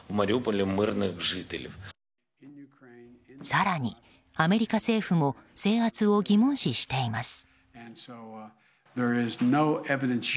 更に、アメリカ政府も制圧を疑問視しています。